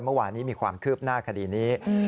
เมื่อวานนี้มีความคืบหน้าคดีนี้